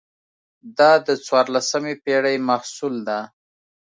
دا د څوارلسمې پېړۍ محصول ده.